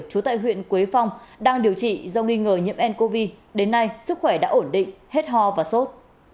trú tại huyện quế phong đang điều trị do nghi ngờ nhiễm ncov đến nay sức khỏe đã ổn định hết ho và sốt